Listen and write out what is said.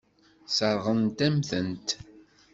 Sseṛɣent-am-tent.